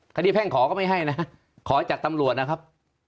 แพ่งขอก็ไม่ให้นะขอจากตำรวจนะครับ